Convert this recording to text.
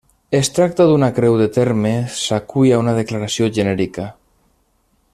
Es tracta d'una creu de terme, s'acull a una declaració genèrica.